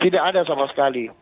tidak ada sama sekali